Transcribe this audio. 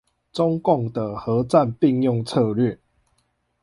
中共的和戰並用策略